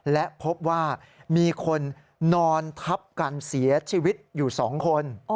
และพบว่ามีคนนอนทับกันเสียชีวิตอยู่๒คน